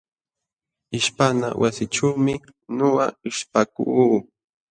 Ishpana wasićhuumi ñuqa ishpakuu.